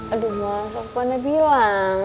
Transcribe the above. aduh mas aku pernah bilang